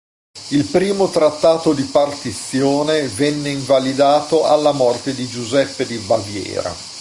Il primo trattato di partizione venne invalidato alla morte di Giuseppe di Baviera.